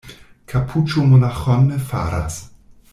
Kapuĉo monaĥon ne faras.